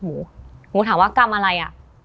หนูถามว่ากรรมอะไรอะ